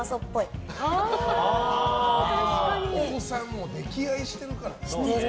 お子さん、溺愛してるからね。